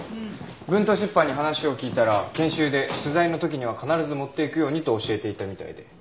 文東出版に話を聞いたら研修で取材の時には必ず持っていくようにと教えていたみたいで。